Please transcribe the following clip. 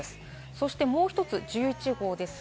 そしてもう１つ、１１号です。